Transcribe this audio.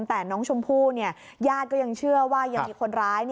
แต่น้องชมพู่ญาติก็ยังเชื่อว่ายังมีคนร้าย